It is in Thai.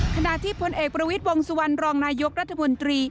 ขณะที่พลเอกประวิทย์วงสุวรรณรองนายกรัฐมนตรี